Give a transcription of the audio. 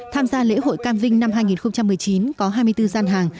tham gia lễ hội cam vinh năm hai nghìn một mươi chín có hai mươi bốn gian hàng